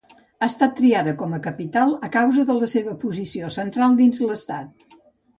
Ha estat triada com a capital a causa de la seva posició central dins l'estat.